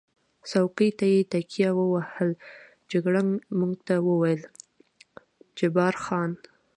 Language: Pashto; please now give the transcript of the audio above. څوکۍ ته یې تکیه ووهل، جګړن موږ ته وویل: جبار خان.